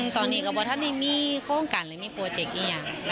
ตอนนี้ถ้าไม่มีโครงการหรือมีโปรเจคอย่าง